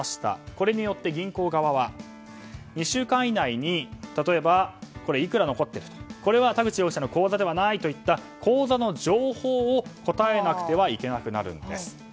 これによって銀行側は２週間以内に例えばいくら残っているとかこれは田口容疑者の口座ではないといった口座の情報を答えなくてはいけなくなるんです。